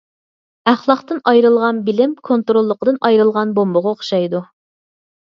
ئەخلاقتىن ئايرىلغان بىلىم، كونتروللۇقىدىن ئايرىلغان بومبىغا ئوخشايدۇ.